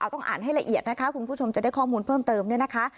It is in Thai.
ต้องอ่านให้ละเอียดนะคะคุณผู้ชมจะได้ข้อมูลเพิ่มเติมเนี่ยนะคะ